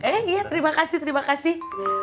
iya terimakasih terimakasih